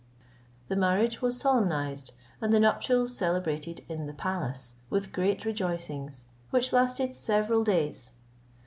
The marriage was solemnized, and the nuptials celebrated in the palace, with great rejoicings, which lasted several days.